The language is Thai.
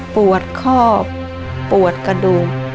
ปวดคอกปวดกระดูก